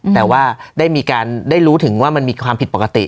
แต่ว่าได้รู้ถึงว่ามันมีความผิดปกติ